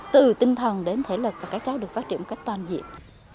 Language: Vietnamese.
từ tinh thần đến thể lực và các cháu được phát triển một cách toàn diện